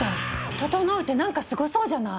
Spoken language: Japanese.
「ととのう」ってなんかスゴそうじゃない！